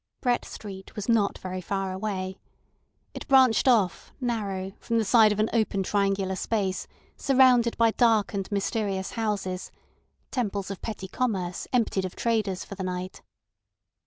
Brett Street was not very far away. It branched off, narrow, from the side of an open triangular space surrounded by dark and mysterious houses, temples of petty commerce emptied of traders for the night.